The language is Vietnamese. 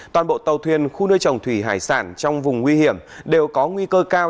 toàn bộ tàu thuyền khu nuôi trồng thủy hải sản trong vùng nguy hiểm đều có nguy cơ cao